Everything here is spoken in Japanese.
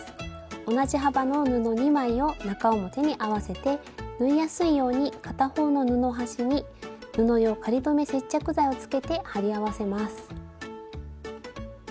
同じ幅の布２枚を中表に合わせて縫いやすいように片方の布端に布用仮留め接着剤をつけて貼り合わせます。